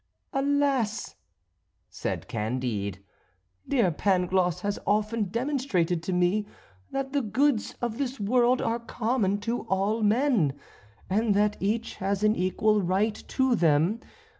"Alas!" said Candide, "dear Pangloss has often demonstrated to me that the goods of this world are common to all men, and that each has an equal right to them.